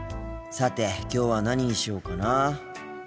さてきょうは何にしようかなあ。